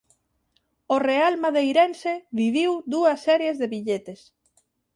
O real madeirense viviu dúas series de billetes.